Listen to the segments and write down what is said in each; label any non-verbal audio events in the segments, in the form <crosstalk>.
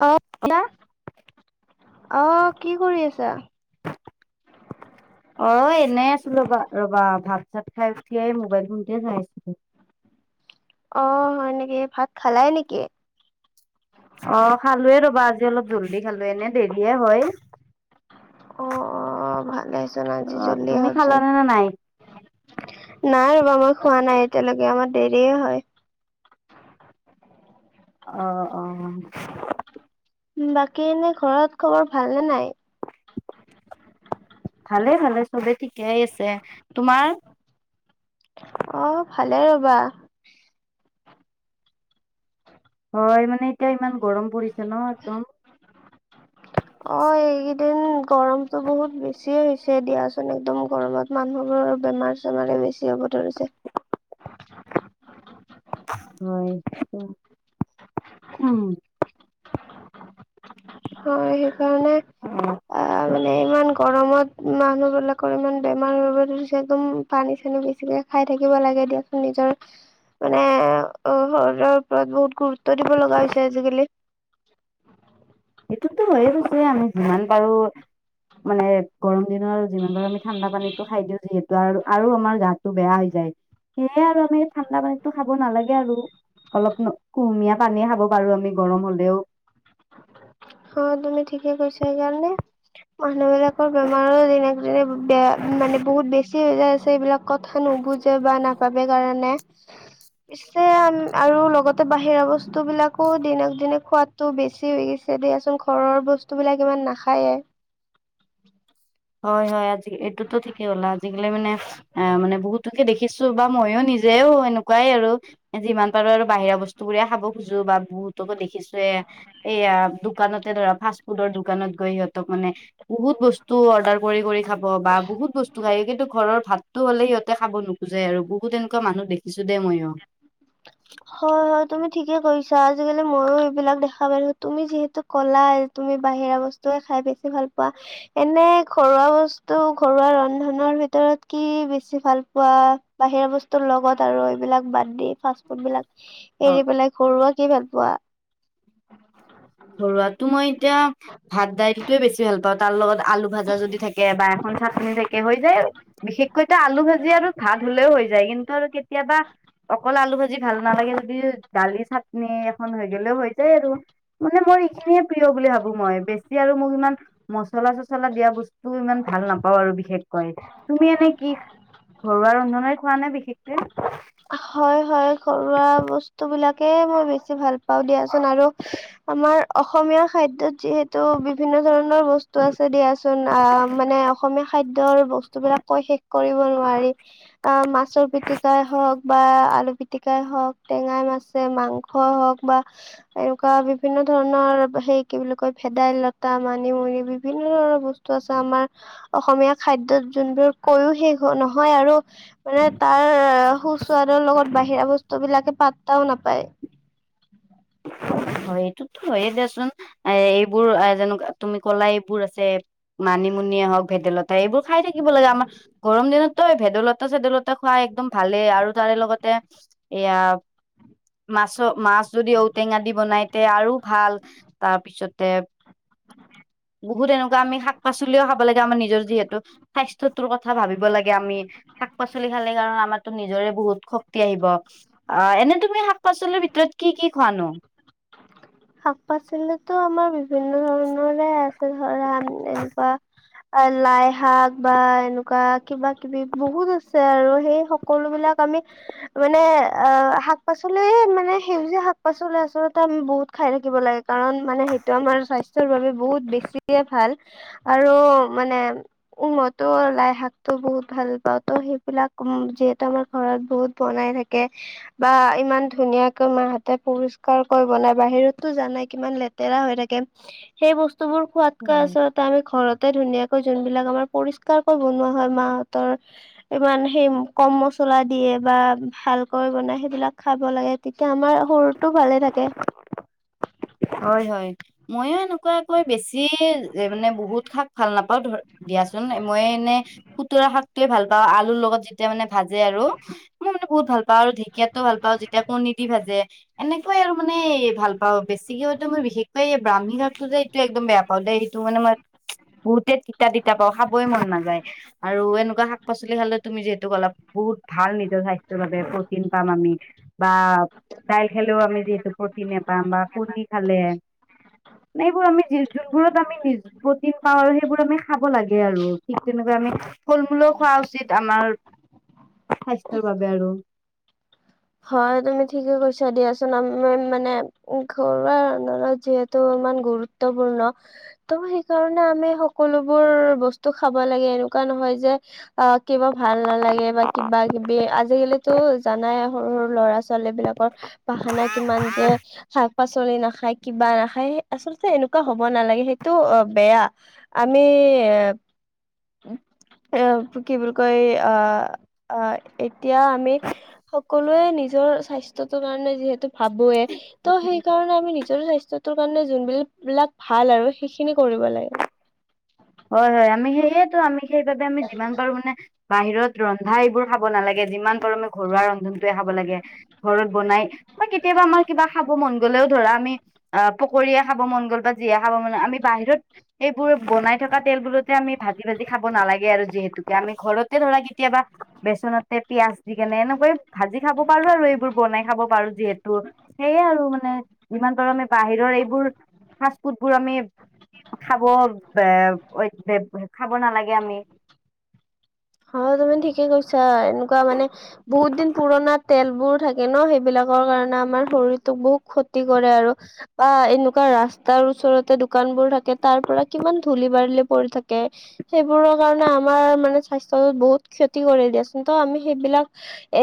অ' hello! অ' কি কৰি আছা? অ' এনেই আছো বা ৰবা ভাত চাত খাই উঠি এই মোবাইল ফোনটোৱে চাই আছিলো। অঁ হয় নেকি? ভাত খালাই নেকি? অঁ খালোৱে ৰবা আজি অলপ জল্দি খালো এনে দেৰিয়ে হয়। অঁ অঁ অঁ ভালেচোন অ আজি জল্দিয়ে তুমি হ'লচোন। খালানে নে নাই নাই ৰবা মই খোৱা নাই এতিয়ালৈকে, আমাৰ দেৰিয়ে হয়। অ' অ'। বাকী এনে ঘৰত খবৰ ভাল নে নাই? ভালে ভালে চবে ঠিকেই আছে। তোমাৰ? অ' ভালেই ৰবা। হয় মানে এতিয়া ইমান গৰম পৰিছে ন একদম অ এইেইকেইদিন গৰমতটো বহুত বেছিয়ে হৈছে দিয়াচোন একদম গৰমত মানুহোৰৰ বেমাৰ বেমাৰে বেছি হ'ব ধৰিছে হয় উম হয় সেইকাৰণে অঁ অঁ, মানে ইমান গৰমত মানুহ বিলাকৰ ইমান বেমাৰ হব ধৰিছে! একদম পানী চানী বেছিকে খাই থাকিব লাগে দিয়াচোন নিজৰ মানে অঁ শৰীৰৰ ওপৰত বহুত গুৰুত্ব, <unintelligible> লগা হৈছে আজিকালি <unintelligible> তো হৈয়ে গৈছে আমি যিমান পাৰো, মানে গৰম দিনত যিমান পাৰো আমি ঠাণ্ডা পানীটো খাই দিওঁ যিহেতু আৰু আৰু আমাৰ গাটো বেয়া হৈ যায়! সেয়ে আৰু আমি ঠাণ্ডা পানীটো খাব নালাগে আৰু, অলপ কুহুমীয়া পানীয়ে খাব পাৰো আমি গৰম হলেও, অ তুমি ঠিকে কৈছা সেইকাৰণে মানুহবিলাক বেমাৰো যেনে তেনে বেয়া মানে বহুত বেছি হৈ যায় আছে এইবিলাক কথা নুবুজে বা নাপাবাবে কাৰণে সেয়া আৰু লগতে বাহিৰা বস্তু বিলাকো দিনক দিনে খোৱাতো বেছি হৈ গৈছে! দিয়াচোন ঘৰৰ বস্তু বিলাক ইমান নাখায়ে, হয়, হয় আজি এইটোতো ঠিকেই হ'লা আজিকালি মানে? অঁ মানে বহুতকে দেখিছো বা মইো নিজেও এনেকুৱাই আৰু যিমান পাৰো আৰু বাহিৰা বস্তু বুৰ খাব খোজো ব বা বহুতক দেখিছোয়ে <unintelligible> <inaudible> এইয়া দোকানতে ধৰা ফাষ্ট ফুডৰ দোকানত গৈ সিহঁতক মানে বহুত বস্তু অডাৰ কৰি কৰি খাব বা বহুত বস্তু খায় কিন্তু ঘৰৰ ভাত তো হ'লে সিহতে খাব নোখোজে আৰু বহুত এনেকুৱা মানুহ দেখিছো দেই মইও, হয়, হয় তুমি ঠিকে কৈছা! আজিকালি মইো এইবিলাক দেখা পাইছো তুমি যিহেতু, ক'লা তুমি বাহিৰা বস্তুৱয়ে খাই বেছি ভাল পোৱা! এনে ঘৰুৱা বস্তু ঘৰুৱা ৰন্ধনৰ ভিতৰত কি বেছি ভাল পোৱা! বাহিৰা বস্তুৰ লগত আৰু এইবিলাক বাদ্ দি ফাষ্টফুড কোনবিলাক অ এৰি পেলাই ঘৰুৱা কি ভাল পোৱা! ঘৰুৱটো মই এতিয়া ভাত দাইল টোয়ে বেছি ভাল পাওঁ! তাৰ লগত, আলু ভাজা যদি থাকে বা এখন চাটনি থাকে হৈ যায় আৰু, বিশেষকৈ তো আলু ভাজি আৰু ভাত হ'লেও হৈ যায়! কিন্তু, আৰু কেতিয়াবা অকল আলু ভাজি ভাল নালাগে যদি দালি চাটনি এখন হৈ গলেও হৈ যায় আৰু, মানে মই এইখিনিয়ে প্ৰিয় বুলি ভাবো মই বেছি আৰু মোক ইমান, মচলা চচলা দিয়া বস্তু ইমান ভাল নাপাওঁ আৰু বিশেষকৈ তুমি এনে কি, ঘৰুৱা ৰন্ধনে খোৱা নে বিশেষ কে, হয়, হয় ঘৰুৱা বস্তু বিলাকে মই বেছি ভাল পাওঁ! দিয়াচোন আৰু আমাৰ অসমীয়া খাদ্যত যিহেতু বিভিন্ন ধৰণৰ বস্তু আছে দিয়া! যোন অঁ মানে অসমীয়া খাদ্যৰ বস্তু বিলাক কৈ শেষ কৰিব নোৱাৰি! অঁ, মাছৰ পিতিকাই হওক, বা আলু পিতিকাই হওক টেঙাই মাছে মাংস হওক বা- এনেকুৱা বিভিন্ন ধৰণৰ সেই কি বুলি কয় ভেদাইলতা মানিমুনি বিভিন্ন ধৰণৰ বস্তু, টো আছে আমাৰ <unintelligible> অসমীয়া খাদ্যত যোনবোৰ কৈও শেষ নহয় আৰু মানে তাৰ, চাদৰ লগত বাহিৰা বস্তু বিলাকে পাতাও নাপায়! হয় এইটোতো হয়েই দিয়াচোন এ এইবোৰ যেনেকা তুমি কলাই এইবোৰ আছে, মানিমুনিয়ে হওক ভেদাইলতা এইবোৰ খাই থাকিব লাগে আমাৰ গৰম দিনত, তই ভেদলতা চেদলতা খুৱাই একদম ভালেই আৰু তাৰে লগতে এয়া, মাছ মাছ যদি ঔটেঙা দি, বনাইতে আৰু ভাল তাৰপিছতে, বহুত এনেকুৱা আমি শাক পাচলিও খাব লাগে আমাৰ নিজৰ যিহেতু স্বাস্থ্যটোৰ কথা ভাবিব লাগে আমি। শাক-পাচলি খালে কাৰণ আমাৰ তো নিজৰে বহুত শক্তি আহিব। অঁ, এনে তুমি শাক পাচলিৰ ভিতৰত কি কি খুৱানো। শাক পাচলি টো আমাৰ বিভিন্ন ধৰণৰে আছে ধৰা এনেকুৱা, লাই শাক বা এনেকুৱা কিবা কিবি বহুত আছে আৰু সেই সকলো বিলাক আমি। মানে অ শাক পাচলি মানে সেউজীয়া শাক পাচলি আচলতে আমি বহুত। খাই থাকিব লাগে কাৰণ মানে সেইটো আমাৰ স্বাস্থ্যৰ বাবে বহুত বেছিয়ে ভাল। আৰু মানে উম মইতো লাই শাক টো বহুত ভাল পাওঁ ত সেই বিলাক উ যিহেতু আমাৰ ঘৰত বহুত বনাই থাকে। বা ইমান ধুনীয়াকে মাহঁতে পৰিষ্কাৰ কৰি বনাই। বাহিৰতো জানাই কিমান লেতেৰা হৈ থাকে সেই বস্তু বোৰ খোৱাতকৈ হয় আছলতে। আমি ঘৰতে ধুনীয়াকৈ যোনবিলাক আমাৰ পৰিসকাৰকৈ বনোৱা হয় মাহতৰ। ইমান সেই কম মছলা দিয়ে বা ভালকৈ বনাই সেইবিলাক খাব লাগে। তেতিয়া আমাৰ শৰীৰটো ভালে থাকে। হয় হয় মইয়ো এনেকুৱাকৈ বেছি মানে বহুত শাক ভাল নাপাওঁ ধৰ, দিয়াচোন মই এনে খুতুৰা শাক টোৱে ভাল পাওঁ আলুৰ লগত যেতিয়া মানে ভাজে আৰু মই মানে বহুত ভাল পাওঁ আৰু ঢেকীয়াতটো ভাল পাওঁ যেতিয়া কণী দি ভাজে। এনেকুৱাই আৰু মানে ভাল পাওঁ বেছি। হতে মই বিশেষকৈ এই ব্ৰাহ্মী হটো যে এইটো একদম বেয়া পাওঁ দে সেইটো মানে মই বহুতে তিতা তিতা পাওঁ খাবই মন নাযায় আৰু এনেকুৱা শাক পাচলি খালে তুমি যিহেতু অলপ, বহুত ভাল নিজৰ স্বাস্থ্যৰ বাবে প্ৰটিন পাম আমি। বা দাইল খালেও আমি যিহেতু প্ৰটিন নাপাম বা কণী খালে। এইবোৰ আমি য যোনবোৰত আমি নিজ, প্ৰটিন পাওঁ আৰু সেইবোৰ আমি খাব লাগে আৰু ঠিক তেনেকুৱা আমি। ফল মূলো খোৱা উচিত আমাৰ স্বাস্থ্যৰ বাবে আৰু হয় তুমি ঠিকে কৈছা দিয়াচোন আমি মানে, ঘৰুৱা ৰন্ধনত যিহেতু ইমান গুৰুত্বপূৰ্ণ, ত সেইকাৰণে আমি সকলোবোৰ বস্তু খাব লাগে এনেকুৱা নহয় যে। অ কিবা ভাল নালাগে বা কিবা কিবি আজিকালিতো জানাই, সৰু সৰু ল'ৰা ছোৱালী বিলাকৰ বাহানা কিমান যে। শাক পাচলি নাখায় কিবা নাখায় আচলতে এনেকুৱা হব নালাগে সেইটো অ বেয়া। আমি এ কি বুলি কয় আহ আহ এতিয়া আমি। সকলোৱে নিজৰ স্বায়তোৰ কাৰণে যিহেতু ভাবয়ে ত সেই কাৰণে আমি নিজৰ স্বাস্থয়, ত কাৰণে যোনবিল বিলাক ভাল আৰু সেইখিনি কৰিব লাগে। হয় হয় আমি সেইয়েতো আমি সেইবাবে আমি যিমান পাৰো মানে। বাহিৰত ৰন্ধা এইবোৰ খাব নালাগে যিমান পাৰোমে ঘৰুৱা ৰন্ধন, খাব লাগে ঘৰত বনাই বা কেতিয়াবা আমাৰ কিবা খাব মন গ'লেও ধৰা আমি অ পকীয়ে খাব মন গ'ল বা যিয়ে খাব মন গ'ল আমি বাহিৰত সেইবোৰ বনাই, আচলতে আমি ভাজি ভাজি খাব নালাগে আৰু যিহেতুকে আমি ঘৰতে ধৰা কেতিয়াবা। বেচনতে পিয়াজ দি কেনে এনেকৈ ভাজি খাব পাৰো আৰু এইবোৰ বনাই খাব পাৰো যিহেতু। সেইয়ে আৰু মানে যিমান পাৰো আমি বাহিৰৰ এইবোৰ ফাষ্ট ফুড বোৰ আমি- খাব বে খাব নালাগে আমি। হয়, তুমি ঠিকে কৈছা এনেকুৱা মানে- বহুত দিন পুৰণা তেলবোৰ থাকে ন সেইবিলাকৰ কাৰণে আমাৰ শৰীৰটোক বহু ক্ষতি কৰে আৰু। বা এনেকুৱা ৰাস্তাৰ ওচৰতে দোকান বোৰ থাকে তাৰ পৰা কিমান ধূলি বাৰি পৰি থাকে। সেইবোৰৰ কাৰণে আমাৰ মানে স্বাস্থয়টো বহুত ক্ষতি কৰি দিয়াচোন ত আমি সেইবিলাক-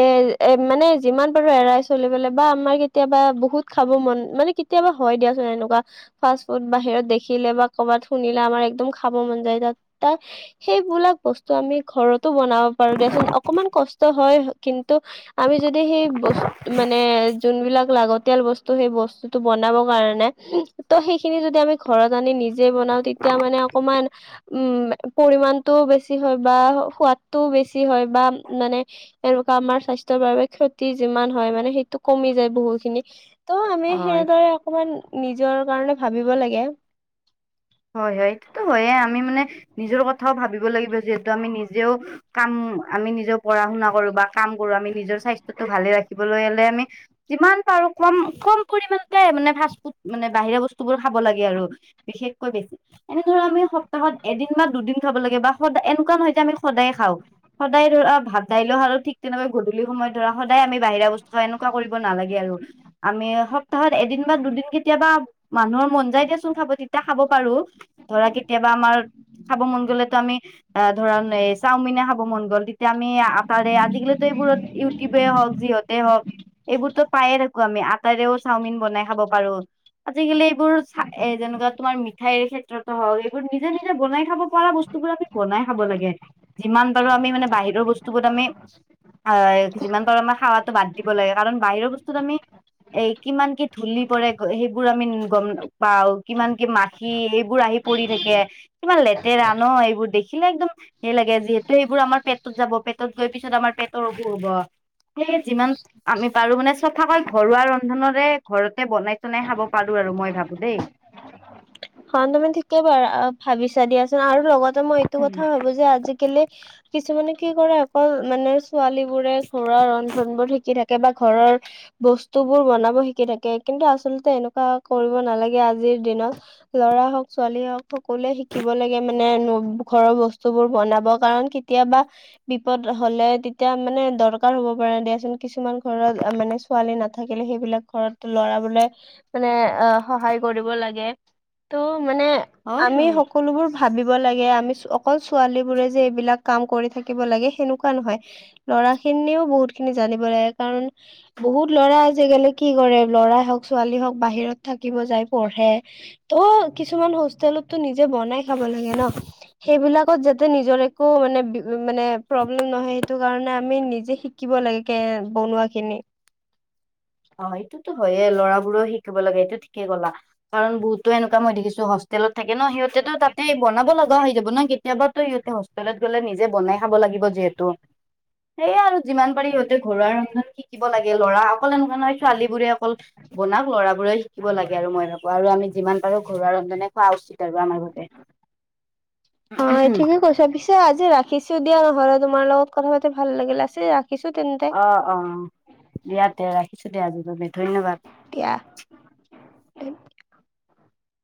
এ এ মানে যিমান পাৰো এৰাই চলিবলে বা আমাৰ কেতিয়াবা বহুত খাব মন মানে কেত- তিয়াবা হয় দিয়াচোন এনেকুৱা। ফাষ্ট ফুড বাহিৰত দেখিলে বা কবাত শুনিলে আমাৰ একদম খাব মন যায় তাত- সেইবিলাক বস্তু আমি ঘৰতো বনাব পাৰো দিয়াচোন অকমান কষ্ট হয় কিন্তু, আমি যদি সেই বস- মানে যোনবিলাক লাগতিয়াল বস্তু সেই বস্তুটো বনাব কাৰণে- ত' সেইখিনি যদি আমি ঘৰত আনি নিজে বনাও তেতিয়া মানে অকমান- উম পৰিমানটোও বেছি হয় বা সোৱাদটোও বেছি হয় বা মানে- এনেকুৱা আমাৰ স্বাস্থয়ৰ বাবে ক্ষতি যিমান হয় মানে সেইটো কমি যায় বহু খিনি। ত' আমি হয় সেনেদৰে অকমান নিজৰ কাৰণে ভাবিব লাগে। হয় হয়, এইটোটো হয়ে আমি মানে নিজৰ কথাও ভাবিব লাগিব যিহেতু আমি নিজেও- কাম আমি নিজেও পঢ়া শুনা কৰো বা কাম কৰো আমি নিজৰ স্বাস্থয়টো ভালে ৰাখিবলৈ হলে আমি- যিমান পাৰো কম কম পৰিমাণতে মানে ফাষ্ট ফুড মানে বাহিৰা বস্তুবোৰ খাব লাগে আৰু। বিশেষ- কৈ বেছি এনে ধৰ আমি সপ্তাহত এদিন বা দুদিন খাব লাগে বা সদায় এনেকুৱা নহয় যে আমি সদায়ে খাওঁ। সদায় ধৰা ভাত দাইলও আৰু ঠিক তেনেকৈ গধূলি সময়ত ধৰা সদায় আমি- বাহিৰা বস্তু হয় এনেকুৱা কৰিব নালাগে আৰু আমি সপ্তাহত এদিন বা দুদিন কেতিয়াবা- মানুহৰ মন যায় দিয়াচোন খাব তেতিয়া- খাব পাৰো ধৰা কেতিয়াবা আমাৰ খাব মন গ'লেতো আমি- অ ধৰাণ এ চাওমিনে খাব মন গ'ল তেতিয়া আমি আক- তাৰে আজিকালিতো এইবোৰত ইউটিউবে হওক যিহতে হওক, এইবোৰতো পায়ে থাকো আমি আটাৰেও চাওমিন বনাই খাব পাৰো। আজিকালি এইবোৰ ফা এ যেনেকুৱা- তোমাৰ মিঠাইৰ ক্ষেত্ৰতো হওক এইবোৰ নিজে নিজে বনাই খাব পৰা বস্তুবোৰ আমি বনাই খাব লাগে। যিমান পাৰো আমি মানে বাহিৰৰ বস্তুবোৰ আমি- আয় যিমান পাৰোঁ আমাৰ খাৱাতো বাদ দিব লাগে কাৰণ বাহিৰৰ বস্তুতো আমি- এই কিমান কি ধূলি পৰে সেইবোৰ আমি গম নাপাও কিমান- কি মাখি এইবোৰ আহি পৰি থাকে কিমান লেতেৰা ন এইবোৰ দেখিলে একদম- ঘিনে লাগে যিহেতু এইবোৰ আমাৰ পেটত যাব পেটত গৈ পিছত আমাৰ পেটৰ অখুৰ হব। এই যিমান- আমি পাৰো মানে চফাকৈ ঘৰুৱা ৰন্ধনৰে ঘৰতে বনাই চনাই খাব পাৰো আৰু মই ভাবো দেই। হন তুমি ঠিকে বাৰ ভাবিছা দিয়াচোন আৰু লগতে মই এইটো কথা ভাবো যে আজিকালি- কিছুমানে কি কৰে অকল মানে ছোৱালী বোৰে ঘৰৰ ৰন্ধন বোৰ শিকি থাকে বা ঘৰৰ- বস্তু বোৰ বনাব শিকি থাকে কিন্তু আচলতে এনেকুৱা কৰিব নালাগে আজিৰ দিনত। ল'ৰা হওক ছোৱালী হওঁক সকলোৱে শিকিব লাগে মানে ঘৰৰ বস্তু বোৰ বনাব কাৰণ কিত- তিয়াবা- বিপদ হলে তেতিয়া মানে দৰকাৰ হ'ব পাৰে দিয়াচোন কিছুমান ঘৰত মানে- ছোৱালী নাথাকিলে সেইবিলাক ঘৰত লৰাবোৰে মানে অ সহায় কৰিব লাগে। ত' মানে হয় আমি সক হয় সকলোবোৰ ভাবিব লাগে। আমি অকল ছোৱালী বোৰে যে এইবিলাক কাম কৰি থাকিব লাগে, সেনেকুৱা নহয়। ল'ৰাখিনিও বহুত খিনি জানিব লাগে। কাৰণ বহুত ল'ৰা আজিকালি কি কৰে, ল'ৰা হওক ছোৱালী হওক বাহিৰত থাকিব যায়, পঢ়ে। ত' কিছুমান হোষ্টেলতো নিজে বনাই খাব লাগে ন, সেইবিলাক কত যাতে নিজৰ একো মানে মানে প্ৰব্লেম নহয় সেইটো কাৰণে আমি নিজে শিকিব লাগে, কে বনোৱা খিনি। অঁ হয়, এইটোতো হয়েই। ল'ৰাবোৰেও শিকিব লাগে। এইটো ঠিকে ক'লা, কাৰণ বহুতো এনেকুৱা মই দেখিছোঁ। হোষ্ট তেলত থাকে ন সিহঁতেতো তাতে বনাব লগা হৈ যাব ন, কেত কেতিয়াবাতো ইহঁতে হোষ্টেলত গ'লে নিজে বনাই খাব লাগিব যিহেতু। সেইয়া আৰু যিমান পাৰি সিহঁতে ঘৰুৱা ৰন্ধন শিকিব লাগে, ল'ৰা অকলে ছোৱালীবোৰে অকল বনাব, ল'ৰাবোৰে শিকিব লাগে আৰু মই ভাবো আৰু আমি যিমান পাৰো ঘৰুৱা ৰন্ধনে খোৱা উচিত আৰু আমাৰ বাবে। <unintelligible> আজি ৰাখিছো দিয়া নহলে, তোমাৰ লগত কথা-পাতি ভাল লাগিলে। আজি ৰাখিছোঁ তেন্তে। অ' অ' দিয়া তে, ৰাখিছো দিয়া আজিৰ বাবে ধন্যবাদ। এতিয়া